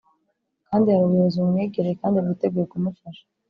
kandi hari ubuyobozi bumwegereye kandi bwiteguye kumufasha.